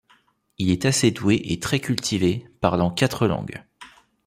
Il est assez doué et très cultivé, parlant quatre langues.